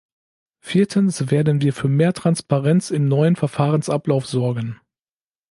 Viertens werden wir für mehr Transparenz im neuen Verfahrensablauf sorgen.